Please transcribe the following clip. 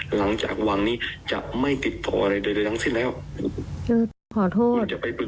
หลังจากหวังนี้จะไม่ติดต่ออะไรเดี๋ยวเดี๋ยวทั้งสิ้นแล้วขอโทษ